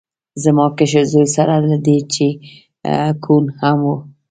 زما کشر زوی سره له دې چې کوڼ هم و